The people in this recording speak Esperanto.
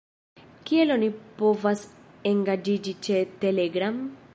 Kiel oni povas engaĝiĝi ĉe Telegram?